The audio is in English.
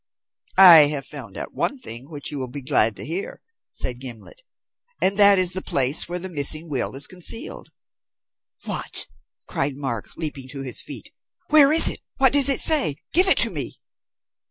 "I have found out one thing which you will be glad to hear," said Gimblet, "and that is the place where the missing will is concealed." "What!" cried Mark, leaping to his feet. "Where is it? What does it say? Give it to me!"